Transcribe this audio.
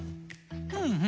うんうん。